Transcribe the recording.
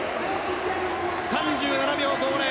３７秒５０